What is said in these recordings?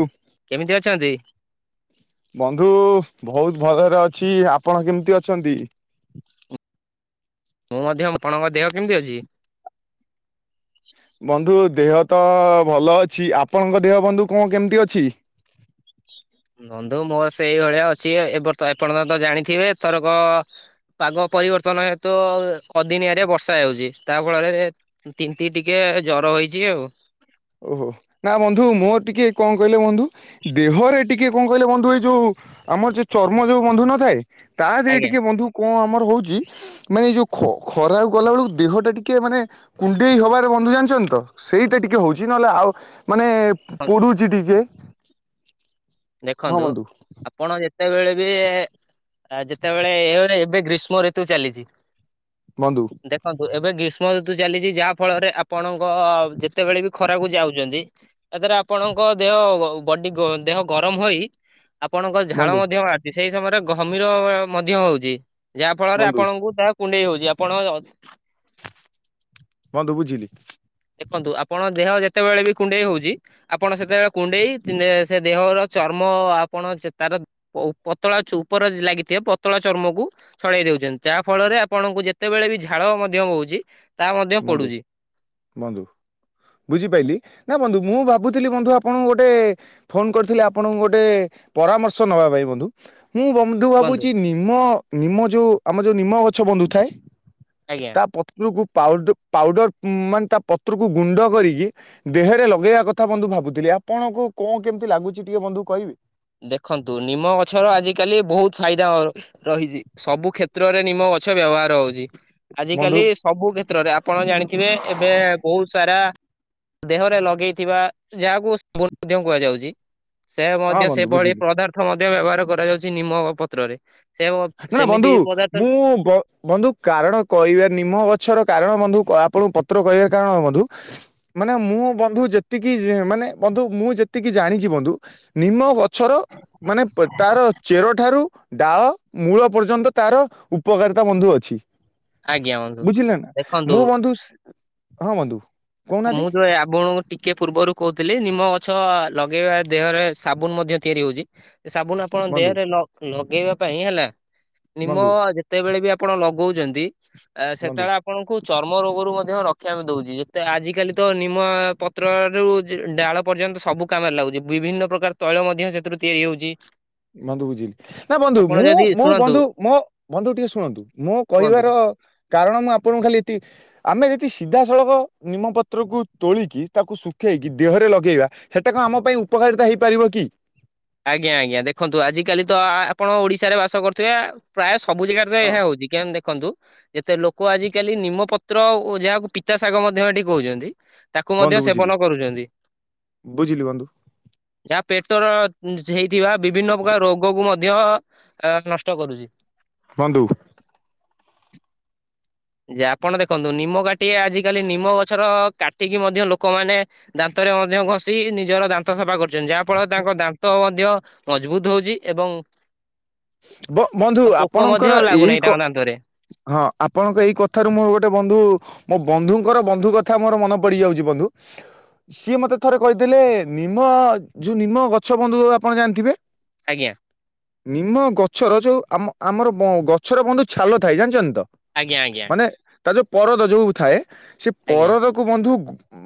ଉଁ କେମିତି ଅଛନ୍ତି? ବନ୍ଧୁ ଉ ବହୁତ ଭଲରେ ଅଛି ଆପଣ କେମିତି ଅଛନ୍ତି? ମୁଁ ମଧ୍ୟ ଆପଣଙ୍କ ଦେହ କେମିତି ଅଛି? ବନ୍ଧୁ ଦେହ ତ ଭଲ ଅଛି ଆପଣଙ୍କ ଦେହ ବନ୍ଧୁ କ ଣ କେମିତି ଅଛି? ଵନ୍ଧୁ ମୋର ସେଇଭଳିଆ ଅଛି ଏ ଆପଣ ତ ତ ଜାଣିଥିବେ ଥରକ ପାଗ ପରିବର୍ତ୍ତନ ହେତୁ ଅଦିନିଆରେ ବର୍ଷା ହେଉଛି ତା ଫଳରେ ତିମିତି ଟିକେ ଜର ହେଇଛି ଆଉ। ଓହୋ ନା ବନ୍ଧୁ ମୋ ଟିକେ କଣ କହିଲେ ବନ୍ଧୁ? ଦେହରେ ଟିକେ କଣ କହିଲେ ବନ୍ଧୁ ଏଇ ଯୋଉ ଆମର ଯୋଉ ଚର୍ମ ଯୋଉ ବନ୍ଧୁ ନଥାଏ? ତା ଦେହରେ ଆଜ୍ଞା ଟିକେ ବନ୍ଧୁ କଣ ଆମର ହଉଛି? ମାନେ ଏଇ ଯୋଉ ଖ ଖରା ଗଲାବେେଳକୁ ଦେହଟା ଟିକେ ମାନେ କୁଣ୍ଡେଇ ହବାରେ ବନ୍ଧୁ ଜାଣିଛଛନ୍ତି ତ ସେଇଟା ଟିକେ ହଉଛି। ଝି ନହେଲେ ଆଉ ମାନେ ପଡ଼ୁଛି ଟିକେ। ହଁ ଦେଖନ୍ତୁ ବନ୍ଧୁ ଆପଣ ଯେତେବେଳେ ବି ଆଉ ଯେତେବେଳେ ଏ ଏବେ ଗ୍ରୀଷ୍ମ ଋତୁ ଚାଲିଛି। ବନ୍ଧୁ। ଦେଖନ୍ତୁ ଏବେ ଗ୍ରୀଷ୍ମ ଋତୁ ଚାଲିଛି ଯାହା ଫଳରେ ଆପଣଙ୍କ ଯେତେବେଳେ ବି ଖରାକୁ ଯାଉଛନ୍ତି। ତା ଦେହରେ ଆପଣଙ୍କ ଦେହ ବଡି ଦେହ ଗରମ ହୋଇ ଆପଣଙ୍କ ଝାଳ ବନ୍ଧୁ ମଧ୍ୟ ଆଛି ସେଇ ସମୟରେ ଘମୀର ମଧ୍ୟ ହଉଛି। ଯାହା ଫଳରେ ବନ୍ଧୁ ଆପଣଙ୍କୁ ତାହା କୁଣ୍ଡେଇ ହଉଛି ଆପଣ ବନ୍ଧୁ ବୁଝିଲି। ଦେଖନ୍ତୁ ଆପଣ ଦେହ ଯେତେବେଳେ ବି କୁଣ୍ଡେଇ ହଉଛି ଆପଣ ସେତେବେଳେ କୁଣ୍ଡେଇ ସେ ଦେହର ଚର୍ମ ଆପଣ ତାର ପ ଉ ପତଳା ଉପର ଲାଗିଥିବ ପତଳା ଚର୍ମକୁ ଛଡେଇ ଦଉଛନ୍ତି ଯାହା ଫଳରେ ଆପଣଙ୍କୁ ଯେତେବେଳେ ବି ଝାଳ ମଧ୍ୟ ବହୁଛି ତା ମଧ୍ୟ ବନ୍ଧୁ ପଡୁଛି। ବନ୍ଧୁ ବୁଝିପାରଲିି ନା ବନ୍ଧୁ ମୁଁ ଭାବୁଥିଲି ବନ୍ଧୁ ଆପଣଙ୍କୁ ଗୋଟେ ଫୋନ କରିଥିଲେ ଆପଣଙ୍କୁ ଗୋଟେ ପରାମର୍ଶ ନବା ପାଇଁ ବନ୍ଧୁ। ମୁଁ ବନ୍ଧୁ କୁହନ୍ତୁ। ଭାବୁଛି ନିମ ନିମ ଯୋଉ ଆମର ଯୋଉ ନିମ ଗଛ ବନ୍ଧୁ ଥାଏ। ଆଜ୍ଞା। ତା ପତ୍ରକୁ ପାଉଡର ପାଉଡର ମାନେ ତା ପତ୍ରକୁ ଗୁଣ୍ଡ କରିକି ଦେହରେ ଲଗେଇବା କଥା ବନ୍ଧୁ ଭାବୁଥିଲି ଆପଣଙ୍କୁ କଣ କେମିତି ଲାଗୁଛି ଟିକେ ବନ୍ଧୁ କହିବି। ଦେଖନ୍ତୁ ନିମ ଗଛର ଆଜିକାଲି ବହୁତ ଫାଇଦା ଅ ରହିଛି ସବୁ କ୍ଷେତ୍ରରେ ନିମ ଗଛ ବ୍ୟବହାର ହଉଛି। ଆଜି ବନ୍ଧୁ କାଲି ସବୁ କ୍ଷେତ୍ରରେ ଆପଣ ଜାଣିଥିବେ ଏବେ ବହୁତ ସାରା ଦେହରେ ଲଗେଇଥିବା ଯାହାକୁ ସୁ ମଧ୍ୟ କୁହାଯାଉଛି। ସେ ହଁ ମଧ୍ୟ ବନ୍ଧୁ ସେ ବୁଝିଲି ପଦାର୍ଥ ମଧ୍ୟ ବ୍ୟବହାର କରାଯାଉଛି ନିମ ପତ୍ରରେ। ସେ ନା ନା ବନ୍ଧୁ ସେମିତି ପଦାର୍ଥ ମୁଁ ବ ବନ୍ଧୁ କାରଣ କହିବ ନିମ୍ନ ବଛର କାରଣ ବନ୍ଧୁ ଆପଣଙ୍କୁ ପତ୍ର କହିବାର କାରଣ ବନ୍ଧୁ ମାନେ ମୁଁ ବନ୍ଧୁ ଯେତିକି ମାନେ ବନ୍ଧୁ ମୁଁ ଯେତିକି ଜାଣିଛି ବନ୍ଧୁ ନିମ ଗ ପଛର ମାନେ ତା ଚେରଠାରୁ ଡାଳ ମୂଳ ପର୍ଯ୍ୟନ୍ତ ତାର ଉପକାରିତା ବନ୍ଧୁ ଅଛି। ଆଜ୍ଞା ବନ୍ଧୁ ବୁଝିଲେ ନା ଦେଖନ୍ତୁ ମୁଁ ବନ୍ଧୁ ହଁ ବନ୍ଧୁ। କହୁନାହାନ୍ତି ମୁଁ ତୋ ଏ ଆପଣ ଟିକେ ପୂର୍ବରୁ କହୁଥିଲି ନିମ ଗଛ ଲଗେଇବା ଦେହରେ ସାବୁନ ମଧ୍ୟ ତିଆରି ହଉଛି। ସାବୁନ ଆପଣଙ୍କ ବନ୍ଧୁ ଦେହରେ ଲଗେଇବା ପାଇଁ ହେଲା ନିମ ବନ୍ଧୁ ଯେ ଯେତେବେଳେ ବି ଆପଣ ଲଗଉଛନ୍ତି ବନ୍ଧୁ ସେତେବେଳେ ଆପଣଙ୍କୁ ଚର୍ମ ରୋଗରୁ ମଧ୍ୟ ରକ୍ଷା ଦଉଛି। ତ ଆଜିକାଲି ତ ନିମ ପତ୍ରରୁ ଡାଳ ପର୍ଯ୍ୟନ୍ତ ସବୁ କାମରେ ଲାଗୁଛି। ବିଭିନ୍ନ ପ୍ରକାର ତୈଳ ମଧ୍ୟ ସେଥିରୁ ତିଆରି ହଉଛି। ମନ୍ଧୁ ବୁଝିଲି। ନା ବନ୍ଧୁ ଆପଣ ମୁଁ ଯଦି ମୁଁ ଶୁଣନ୍ତୁ ବନ୍ଧୁ ମୋ ବନ୍ଧୁ ଟିକେ ଶୁଣନ୍ତୁ ମୁଁ କୁହନ୍ତୁ କହିବାର କାରଣ ମୁଁ ଆପଣଙ୍କୁ ଖାଲି ଏତି ଆମେ ଯଦି ସିଧାସଳଖ ନିମପତ୍ରକୁ ତୋଳିକି ତାକୁ ଶୁଖାଇକି ଦେହରେ ଲଗେଇବା ହେଟା କଣ ଆମ ପାଇଁ ଉପକାରିତା ହେଇପାରିବ କି? ଆଜ୍ଞା ଆଜ୍ଞା ଦେଖନ୍ତୁ ଆଜି କାଲି ତ ଆପଣ ଓଡିଶାରେ ବାସ କରୁଥିବେ ପ୍ରାୟ ସବୁ ଜାଗା ରେ ହଁ ଏହା ହଉଛି କେମିତି ଦେଖନ୍ତୁ ଯେତେ ଲୋକ ଆଜିକାଲି ନିମପତ୍ର ଓ ଯାହାକୁ ପିତା ଶାଗ ମଧ୍ୟ ଏଠି କହୁଛନ୍ତି ଯେ ତାକୁ ବନ୍ଧୁ ମଧ୍ୟ ବୁଝିଲି। ସେବନ କରୁଛନ୍ତି। ବୁଝିଲି ବନ୍ଧୁ ଯାହା ପେଟର ଉନ୍ ହେଇଥିବା ବିଭିନ୍ନ ପ୍ରକାର ରୋଗକୁ ମଧ୍ୟ ଆ ନଷ୍ଟ କରୁଛି। ବନ୍ଧୁ। ଯେ ଆପଣ ଦେଖନ୍ତୁ ନିମ କାଟି ଆଜିକାଲି ନିମ ଗଛର କାଟିକି ମଧ୍ୟ ଲୋକମାନେ ଦାନ୍ତରେ ମଧ୍ୟ ଘଷି ନିଜର ଦାନ୍ତ ସଫା କରୁଛନ୍ତି। ଯାହାଫଳରେ ତାଙ୍କ ଦାନ୍ତ ମଧ୍ୟ ମଜବୁତ ହଉଛି ଏବଂ ବ ବନ୍ଧୁ ଆଉ ପୋକ ଆପଣଙ୍କର ମଧ୍ୟ ଏଇ ଲାଗୁନାହିଁ କ ତାଙ୍କ ଦାନ୍ତରେ। ହଁ, ଆପଣଙ୍କ ଏଇ କଥାରୁ ମୁଁ ଗୋଟେ ବନ୍ଧୁ ମୋ ବନ୍ଧୁଙ୍କର ବନ୍ଧୁ କଥା ମୋର ମନେ ପଡିଯାଉଛି ବନ୍ଧୁ। ସିଏ ମତେ ଥରେ କହିଥିଲେ ନିମ ଯୋଉ ନିମ୍ବ ଗଛ ବନ୍ଧୁ ଆପଣ ଜାଣିଥିବେ? ଆଜ୍ଞା! ନିମ ଗଛର ଯୋଉ ଆମ ଆମର ଗଛର ବନ୍ଧୁ ଛାଲ ଥାଏ ଜାଣିଛନ୍ତି ତ? ଆଜ୍ଞା! ଆଜ୍ଞା! ମାନେ ତା ଯୋଉ ପରଦ ଯୋଉ ଥାଏ ସେ ଆଜ୍ଞା ପରଦକୁୁ ବନ୍ଧୁ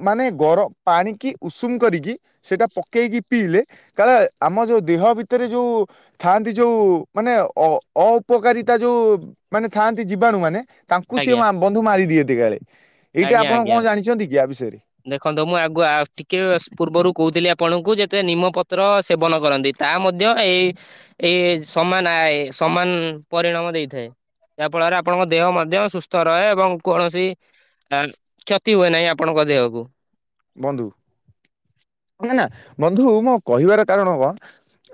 ମାନେ ଗର ପାଣିକି ଉଷୁମ କରିକି ସେଇଟା ପକେଇକି ପିଇଲେ କାଳେ ଆମ ଯୋଉ ଦେହ ଭିତରେ ଯୋଉ ଥାଆନ୍ତି ଯୋଉ ମାନେ ଅ ଅପକାରିତା ଯୋଉ ମାନେ ଥାଆନ୍ତି ଜୀବାଣୁ ମାନେ ତାଙ୍କୁ ସିଏ ଆଜ୍ଞା ବନ୍ଧୁ ମାରିଦିଅନ୍ତି କାଳେ ଏଇଟା ଆଜ୍ଞା ଆପଣ ଆଜ୍ଞା କଣ ଜାଣିଛନ୍ତି କି ଆ ବିଷୟରେ? ଦେଖନ୍ତୁ ମୁଁ ଆଗୁଆ ଟିକେ ପୂର୍ବରୁ କହୁଥିଲି ଆପଣଙ୍କୁ ଯେତେ ନିମପତ୍ର ସେବନ କରନ୍ତି ତା ମଧ୍ୟ ଏଇ, ଏଇ ସମାନ ଆଏ, ସମାନ ପରିଣାମ ଦେଇଥାଏ। ଯାହା ଫଳରେ ଆପଣଙ୍କ ଦେହ ମଧ୍ୟ ସୁସ୍ଥ ରହେ ଏବଂ କୌଣସି ଆ କ୍ଷତି ହୁଏ ନାହିଁ ଆପଣଙ୍କ ଦେହକୁ। ବନ୍ଧୁ କ କଁ ନା ବନ୍ଧୁ ମୋ କହିବାର କାରଣ କଣ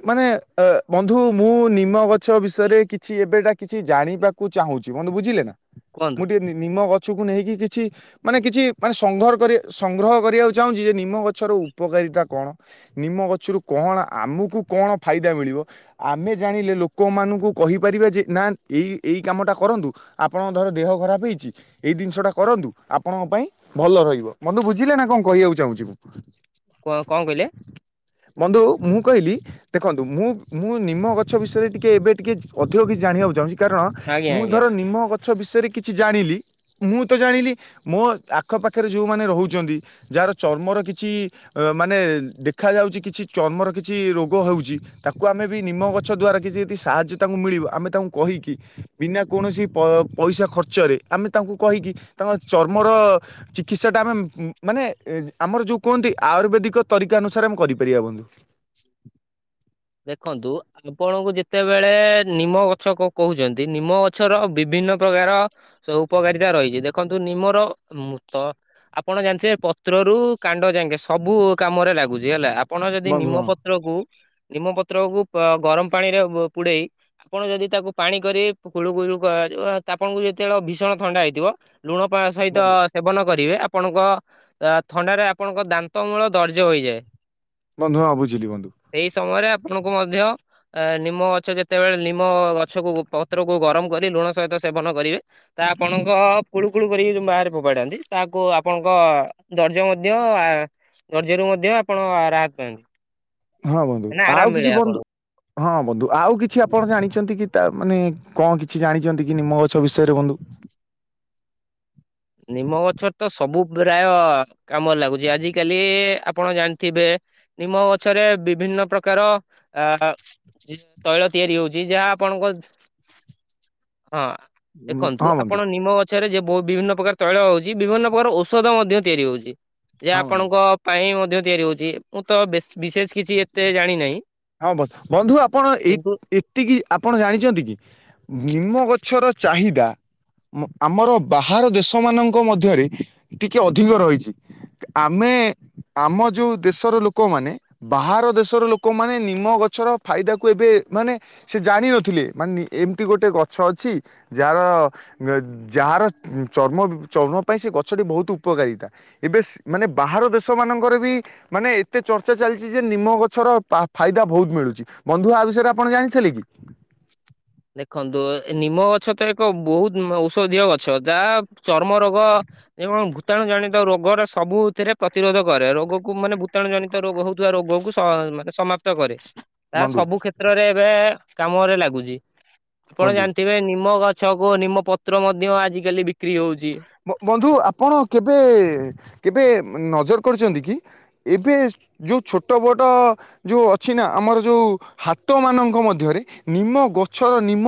ମାନେ ଆ ବନ୍ଧୁ ମୁଁ ନିମ ଗଛ ବିଷୟରେ କିଛି ଏବେଟା କିଛି ଜାଣିିବା କୁ ଚାହୁଁଛି ବନ୍ଧୁ ବୁଝିଲେ ନା, କୁହନ୍ତୁ ମୁଁ ଟିକେ ନିମ ଗଛକୁ ନେଇକି କିଛି ମାନେ କିଛି ମାନେ ସଂଗ୍ରଅ କରିବାକୁ ସଂଗ୍ର ହ କରିବାକୁ ଚାହୁଁଛି ଯେ ନିମ ଗଛର ଉପକାରିତା କଣ? ନିମ ଗଛରୁ କଣ ଆମକୁ କଣ ଫାଇଦା ମିଳିବ? ଆମେ ଜାଣିଲେ ଲୋକମାନଙ୍କୁ କହିପାରିବା ଯେ ନା ଏଇ ଏଇ କାମଟା କରନ୍ତୁ ଆପଣଙ୍କ ଧର ଦେହ ଖରାପ ହେଇଛି ଏଇ ଜିନିଷ ଟା କରନ୍ତୁ ଆପଣଙ୍କ ପାଇଁ ଭଲ ରହିବ ବନ୍ଧୁ ବୁଝି ବୁଝିଲେ ନା, କଣ କହିବାକୁ ଚାହୁଁଛି ମୁଁ? କ କଣ କହିଲେ? ବନ୍ଧୁ ମୁଁ କହିଲି ଦେଖନ୍ତୁ ମୁଁ, ମୁଁ ନିମ ଗଛ ବିଷୟରେ ଟିକେ ଏବେ ଟିକେ ଅଧିକ କିଛି ଜାଣିବାକୁ ଚାହୁଁଛି କାରଣ ଆଜ୍ଞା ମୁଁ ଆଜ୍ଞା। ଧର ନିମ ଗ ଛ ବିଷୟରେ କିଛି ଜାଣିଲି ମୁଁ ତ ଜାଣିଲି ମୋ ଆଖ ପାଖରେ ଯୋଉମାନେ ରହୁ ଛନ୍ତି ଯାହାର ଚର୍ମର କିଛି ଅ ମାନେ ଦେଖାଯାଉଛି କିଛି ଚର୍ମର କିଛି ରୋଗ ହେଉଛି ତାକୁ ଆମେ ବି ନିମ ଗଛ ଦ୍ଵାରା କିଛି ଯଦି ସାହାଯ୍ୟ ତାଙ୍କୁ ମିଳିବ ଆମେ ତାଙ୍କୁ କହିକି ବିନା କୌଣସି ପ ପଇସା ଖର୍ଚ୍ଚରେ ଆମେ ତାଙ୍କୁ କହିକି ତାଙ୍କ ଚର୍ମର ଚିକିତ୍ସାଟା ଆମେ ମାନେ ଏ ଆମର ଯୋଉ କୁହନ୍ତି ଆୟୁର୍ବେଦିକ ତରିକା ଅନୁସାରେ ଆମେ କରିପାରିବା ବନ୍ଧୁ। ଦେଖନ୍ତୁ ଆପଣଙ୍କୁ ଯେତେବେଳେ ନିମ ଗଛ କ କହୁଛନ୍ତି ନିମ ଗଛର ବିଭିନ୍ନ ପ୍ରକାର ସେ ଉପକାରିତା ରହିଛି ଦେଖନ୍ତୁ ନିମର ତ ଆପଣ ଜାଣିଥିବେ ପତ୍ରରୁ କାଣ୍ଡ ଯାଙ୍କେ ସବୁ କାମରେ ଲାଗୁଛି ହେଲା ଆ ଆପଣ ଯଦି ବନ୍ଧୁ ହଁ ନିମପତ୍ରକୁ ନିମ ପତ୍ରକୁ ଗରମ ପା ପାଣିରେ ପୁଡେଇ ଆପଣ ଯଦି ତାକୁ ପାଣି କରିକି କୁଳୁକୁଳୁ କରିବ ଆପଣଙ୍କୁ ଯେତେବେଳେ ଭୀଷଣ ଥଣ୍ଡା ହେଇଥିବ ଲୁଣ ପା ସହିତ ବନ୍ଧୁ ସେବନ କରିବେ ଆପଣଙ୍କ ଅ ଥଣ୍ଡାରେ ଆପଣଙ୍କ ଦାନ୍ତ ମୂଳ ଦର୍ଜ ହୋଇଯାଏ। ବନ୍ଧୁ ହଁ ବୁଝିଲି ବନ୍ଧୁ। ସେଇ ସମୟରେ ଆପଣଙ୍କୁ ମଧ୍ୟ ଏ ନିମ ଗଛ ଯେତେବେଳେ ନିମ ଗଛକୁ ପତ୍ରକୁ ଗରମ କରି ଲୁଣ ସହିତ ସେବନ କରିବେ। ତା ଆପଣଙ୍କ କୁଳୁ କୁଳୁ କରିକି ଯୋଉ ବାହାରେ ଫୋପାଡନ୍ତି ତାହାକୁ ଆପଣଙ୍କ ଦର୍ଜ ମଧ୍ୟ ଆ ଦର୍ଜରୁ ମଧ୍ୟ ଆପଣ ରାହତ ପାଆନ୍ତି। ହଁ ବନ୍ଧୁ ମାନେ ଆଉ ଆରାମ କିଛି ମିଳେ ବନ୍ଧୁ ଆପଣଙ୍କୁ। ହଁ ବନ୍ଧୁ ଆଉ କିଛି ଆପଣ ଜାଣିଚନ୍ତି କି ତା ମାନେ କଣ କିଛି ଜାଣିଚନ୍ତି କି ନିମ ଗଛ ବିଷୟରେ ବନ୍ଧୁ? ନିମ ଗଛର ତ ସବୁ ପ୍ରାୟ କାମରେ ଲାଗୁଛି ଆଜି କାଲି ଆପଣ ଜାଣିଥିବେ ନିମ ଗଛରେ ବିଭିନ୍ନ ପ୍ରକାର ଆ [unintelligible] ତୈଳ ତିଆରି ହଉଚି ଯାହା ଆପଣଙ୍କ ହଁ ଉଁ, ଦେଖନ୍ତୁ ହଁ ବନ୍ଧୁ ଆପଣ ନିମ ଛେରେ ଯେ ବ ବିଭିନ୍ନ ପ୍ରକାର ତୈଳ ହଉଚି ବିଭିନ୍ନ ପ୍ରକାର ଔଷଧ ମଧ୍ୟ ତିଆରି ହଉଚି ଯେ ହଁ ବନ୍ଧୁ ଆପଣଙ୍କ ପାଇଁ ମଧ୍ୟ ତିଆରି ହଉଚି ମୁଁ ତ ବେ ବିଶେଷ କିଛି ଏତେ ଜାଣିନାହିଁ। ହଁ ବ ବନ୍ଧୁ ଆପଣ ଏଇ କିନ୍ତୁ ଏ ତିକି ଆପଣ ଜାଣିଚନ୍ତି କି ନିମ ଗଛର ଚାହିଦା ମ ଆମର ବାହାର ଦେଶମାନଙ୍କ ମଧ୍ୟରେ ଟିକେ ଅଧିକ ରହିଚି। ଆମେ ଆମ ଯୋଉ ଦେଶର ଲୋକମାନେ ବାହାର ଦେଶର ଲୋକ ମାନେ ନିମ ଗଛର ଫାଇଦାକୁ ଏବେ ମାନେ ସେ ଜାଣିନଥିଲେ ମାନେ ଏମତି ଗୋଟେ ଗଛ ଅଛି। ଯାର ଯାହାର ଉ ଚର୍ମ ଚର୍ମ ପାଇଁ ସିଏ ଗଛଟି ବହୁତୁ ଉପକାରିତା। ଏବେ ସେ ମାନେ ବାହାର ଦେଶମାନଙ୍କରେ ବି ମାନେ ଏତେ ଚର୍ଚ୍ଚା ଚାଲିଚି ଯେ ନିମ ଗଛର ପା ଫାଇଦା ବହୁତ ମିଳୁଚି ବନ୍ଧୁ ଆ ବିଷୟରେ ଆପଣ ଜାଣିଥିଲେ କି? ଦେଖନ୍ତୁ ନିମ ଗଛ ତ ଏକ ବହୁତ ଔଷଧୀୟ ଗଛ ଯାହା ଚର୍ମ ରୋଗ ଏ କଣ ଭୂତାଣୁ ଜନିତ ରୋଗର ସବୁଥିରେ ପ୍ରତିରୋଧ କରେ ରୋଗକୁ ମାନେ ଭୂତାଣୁ ଜନି ତ ରୋଗ ହଉଥିବା ରୋଗକୁ ସ ମାନେ ସମାପ୍ତ କରେ। ତା ବନ୍ଧୁ ସବୁ କ୍ଷେତ୍ରରେ ଏବେ କାମରେ ଲାଗୁଚି। ଆପଣ ବନ୍ଧୁ? ଜାଣିଥିବେ ନିମ ଗଛକୁ ନିମ ପତ୍ର ମଧ୍ୟ ଆଜିକାଲି ବିକ୍ରି ହଉଚି। ବ ବନ୍ଧୁ ଆପଣ କେବେ କେବେ ନଜର କରିଚନ୍ତି କି ଏବେ ଯୋଉ ଛୋଟ ବୋଟ ଯୋଉ ଅଛି ନା ଆମର ଯୋଉ ହାତ ମାନଙ୍କ ମଧ୍ୟରେ ନିମ ଗଛର ନିମ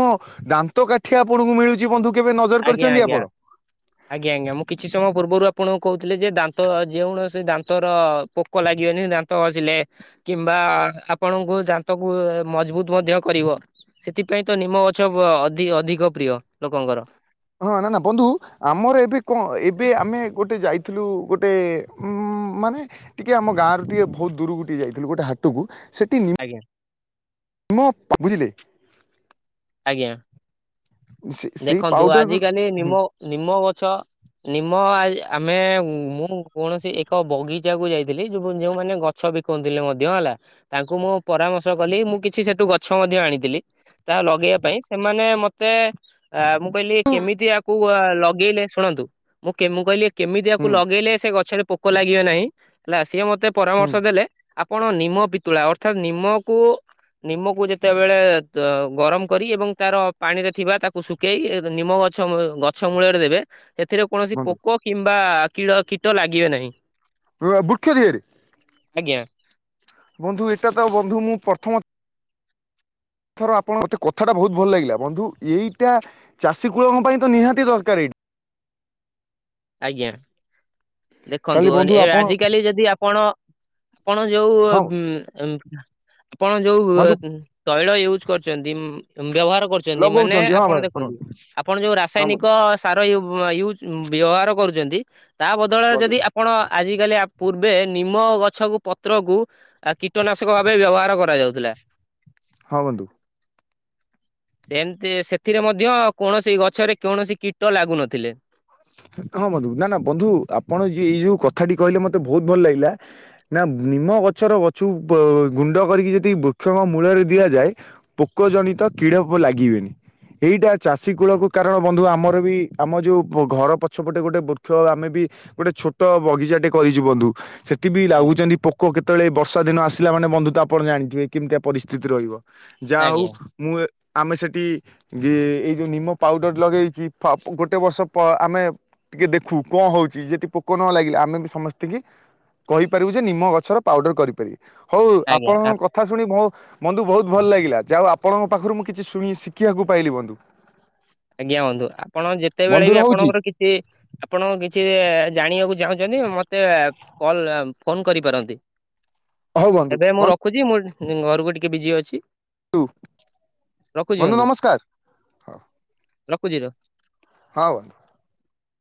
ଦାନ୍ତ କାଠି ଆପଣଙ୍କୁ ମିଳୁଚି ବନ୍ଧୁ? କେବେ ନଜର ଆଜ୍ଞା କରିଛନ୍ତି ଆଜ୍ଞା। ଆପଣ? ଆଜ୍ଞା ଆଜ୍ଞା ମୁଁ କିଛି ସମୟ ପୂର୍ବରୁ ଆପଣଙ୍କୁ କହୁଥିଲେ ଯେ ଦାନ୍ତ ଯେଉଁ ଣସି ଦାନ୍ତର ପୋ କ ଲାଗିବନି ଦାନ୍ତ ଘଷିଲେ। କିମ୍ବା ଆପଣଙ୍କୁ ଦାନ୍ତକୁ ମଜବୁତ ମଧ୍ୟ କରିବ। ସେଥିପାଇଁ ତ ନିମ ଗଛ ଅ ଅଧିକ ଅଧିକ ପ୍ରିୟ ଲୋକଙ୍କର। ହଁ ନା ନା ବନ୍ଧୁ ଆମର ଏବେ କଣ ଏବେ ଆମେ ଗୋଟେ ଯାଇ ଥିଲୁ ଗୋଟେ ଉଁ ମାନେ ଟିକେ ଆମ ଗାଁରୁ ଟିକେ ବହୁତ ଦୂରୁକୁ ଟିକେ ଯାଇଥିଲୁ ଗୋଟେ ହାଟୁକୁ ସେଟି ନି ଆଜ୍ଞା। ମ ପ ବୁଝିଲେ। ଆଜ୍ଞା ସେ ସେଇ ଦେଖନ୍ତୁ ପାଉଡର ହୁଁ ଆଜିକାଲି ନିମ ନିମ ଗଛ ନିମ ଆ ଆମେ ମୁଁ କୌଣସି ଏକ ବଗିଚାକୁ ଯାଇଥିଲି ଯୋଉ ଯେଉଁମାନେ ଗ ଛ ବିକୁଁଥିଲେ ମଧ୍ୟ ହେଲା। ତାଙ୍କୁ ମୁଁ ପରାମର୍ଶ କଲି ମୁଁ କିଛି ସେଟୁ ଗଛ ମଧ୍ୟ ଆଣିଥିଲି ତା ଲ ଲଗେଇବା ପାଇଁ ସେମାନେ ମତେ ଆ ମୁଁ କହିଲି କେମିତି ଆକୁ ଲଗେଇଲେ ଶୁଣନ୍ତୁ। ମୁଁ କେମୁ ମୁଁ କହିଲି କେମିତି ଆକୁ ହୁଁ ଲଗେଇଲେ ସେ ଗଛରେ ପୋକ ଲାଗିବେ ନାହିଁ ହେଲା ସିଏ ମତେ ହୁଁ ପରାମର୍ଶ ଦେଲେ ଆପଣ ନିମ ପିିତୁଳା ଅର୍ଥାତ ନିମକୁ ନିମକୁ ଯେତେବେଳେ ତ ଗରମ କରି ଏବଂ ତାର ପାଣିରେ ଥିବା ତାକୁ ଶୁକେଇକି ଏ ନିମ ଗଛ ମୂ ଗଛ ମୂଳରେ ଦେବେ ଏଥିରେ କୌଣସି ବନ୍ଧୁ ପୋକ କିମ୍ବା କିଡ କୀଟ ଲାଗିବେ ନାହିଁ। ଉଅ ବୃକ୍ଷ ଦେହରେ? ଆଜ୍ଞା। ବନ୍ଧୁ ଏଟା ତ ବନ୍ଧୁ ମୁଁ ପ୍ରଥମ ଥର ଆପଣ ମତେ କଥାଟା ବୋହୁତ ଭଲ ଲାଗିଲା ବନ୍ଧୁ ଏଇଟା ଚାଷୀ କୂଳଙ୍କ ପାଇଁ ତ ନିହାତି ଦରକାର ଏଇ ଆଜ୍ଞା। ଦେଖନ୍ତୁ ତାହେଲେ ବନ୍ଧୁ ଏ ଆପଣ ଆଜିକାଲି ଯଦି ଆପଣ ଆପଣ ଯୋଉ ହଁ ଉଁ ଉଁ ଆପଣ ଯୋଉ ଏ ବନ୍ଧୁ ଉଁ ତୈଳ ୟୁଜ୍ କରଚନ୍ତି ବ୍ୟବହାର କରୁ ଚନ୍ତି ମାନେ ଲଗଉଛନ୍ତି ହଁ ଆପଣ ଭାଇ ଦେଖନ୍ତୁ କରନ୍ତୁ ଆପଣ ଯୋଉ ହଁ ରାସାୟନିକ ବନ୍ଧୁ ସା ସାର ୟୁ ୟୁଜ୍ ବ୍ୟବହାର କରୁଚନ୍ତି ତା ବଦଳରେ ବନ୍ଧୁ ଯଦି ଆପଣ ଆଜକାଲି ଆ ପୂର୍ବେ ନିମ ଗଛକୁ ପତ୍ରକୁ ଆଉ କୀଟନାଶକ ଭାବେ ବ୍ୟବହାର କରାଯାଉଥିଲା। ହଁ ବନ୍ଧୁ। ସେମତି ସେଥିରେ ମଧ୍ୟ କୌଣସି ଗଛରେ କୌଣସି କୀଟ ଲାଗୁନଥିଲେ। ହଁ ବନ୍ଧୁ ନା ନା ବନ୍ଧୁ ଆପଣ ଯି ଏଇ ଯୋଉ କଥାଟି କହିଲେ ମତେ ବୋହୁତ ଭଲ ଲାଗିଲା। ନା ନିମ ଗଛର ଗଛୁ ପ ଗୁଣ୍ଡ କରିକି ଯଦି ବୃକ୍ଷଙ୍କ ମୂଳରେ ଦିଆଯାଏ ପୋକ ଜନିତ କିଡ଼ ପ ଲାଗିବେନି। ଏଇଟା ଚାଷୀ କୂଳକୁ କାରଣ ବନ୍ଧୁ ଆମର ବି ଆମ ଯୋଉ ମୋ ଘର ପଛପଟେ ଗୋଟେ ବୃକ୍ଷ ଆମେ ବି ଗୋଟେ ଛୋଟ ବଗିଚାଟେ କରିଚୁ ବନ୍ଧୁ ସେ ଠି ବି ଲାଗୁଚନ୍ତି ପୋକ କେତେବେଳେ ଏଇ ବର୍ଷା ଦିନ ଆସିଲା ମାନେ ବନ୍ଧୁ ତ ଆପଣ ଜାଣିଥିବେ କେମିତିଆ ପରିସ୍ଥିତି ରହିବ। ଯାହୋଉ ଆଜ୍ଞା ମୁଁ ଏ ଆମେ ସେଠି ଗେ ଏଇ ଯୋଉ ନିମ ପାଉଡର ଲଗେଇକି ଫା ଗୋଟେ ବର୍ଷ ପ ଆମେ ଟିକେ ଦେଖୁ କଣ ହୋଉଚି ଯଦି ପୋକ ନ ଲାଗିଲେ ଆମେ ବି ସମସ୍ତିକି କହିପାରିବୁ ଯେ ନିମ ଗଛର ପାଉଡର କରିପାରିବେ ହୋଉ ଆଜ୍ଞା ଆପଣଙ୍କ କ କଥା ଶୁଣି ମୋ ବନ୍ଧୁ ବୋହୁତ ଭଲ ଲାଗିଲା ଯାହୋଉ ଆପଣଙ୍କ ପାଖରୁ ମୁଁ କିଛି ଶୁଣି ଶିଖିବାକୁ ପାଇଲି ବନ୍ଧୁ। ଆଜ୍ଞା ବନ୍ଧୁ ଆପଣ ବନ୍ଧୁ ଯେତେବେଳେ ବି ରହୁଛି ଆପଣଙ୍କର କି ଛିବି ଆପଣ କିଛି ଜାଣିବାକୁ ଚାହୁଁଚନ୍ତି ମତେ କଲ୍ ଆ ଫୋନ କରିପାରନ୍ତି। ହଉ ବନ୍ଧୁ ଏବେ ମୁଁ ରଖୁଚି ମୁଁ ଇଁ ଘରକୁ ଟିକେ ବିଜି ଅଛି। ଧୁ ରଖୁଛି ବନ୍ଧୁ ନମସ୍କାର। ରଖୁଚି ର ହଁ ବନ୍